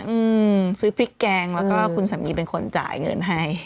อืมซื้อพริกแกงแล้วก็คุณสามีเป็นคนจ่ายเงินให้